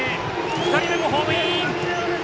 ２人目もホームイン！